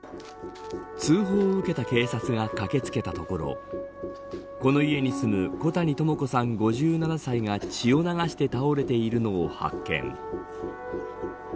通報を受けた警察が駆け付けたところこの家に住む小谷朋子さん、５７歳が血を流して倒れているのを発見。